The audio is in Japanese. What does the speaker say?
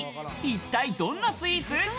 一体どんなスイーツ？